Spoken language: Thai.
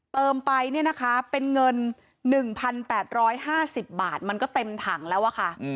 เติมไปเนี่ยนะคะเป็นเงิน๑๘๕๐บาทมันก็เต็มถังแล้วอะค่ะ